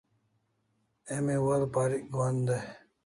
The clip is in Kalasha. Emi wa'al parik gohan dai